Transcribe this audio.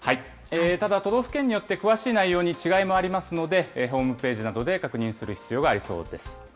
ただ、都道府県によって詳しい内容に違いもありますので、ホームページなどで確認する必要がありそうです。